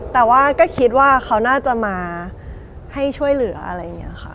แต่ว่าก็คิดว่าเขาน่าจะมาให้ช่วยเหลืออะไรอย่างนี้ค่ะ